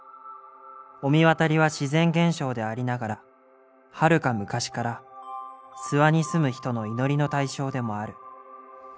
御神渡りは自然現象でありながらはるか昔から諏訪に住む人の祈りの対象でもある。